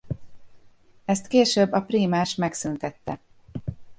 Ezt később a prímás megszüntette.